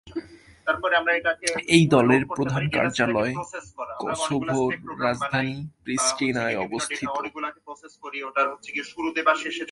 এই দলের প্রধান কার্যালয় কসোভোর রাজধানী প্রিস্টিনায় অবস্থিত।